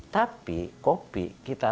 tapi kopi kita tahu kan berbunyi